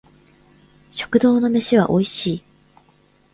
食堂の飯は美味い